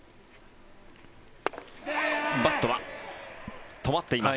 バットは止まっています。